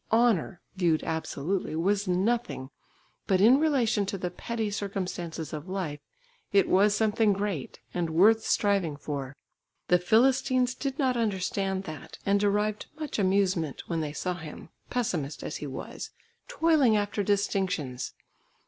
Honour, viewed absolutely, was nothing, but in relation to the petty circumstances of life it was something great, and worth striving for. The Philistines did not understand that, and derived much amusement, when they saw him, pessimist as he was, toiling after distinctions.